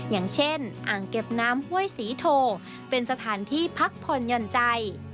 อย่างเช่นอ่างเก็บน้ำห้วยศรีโทเป็นสถานที่พักผ่อนหย่อนใจ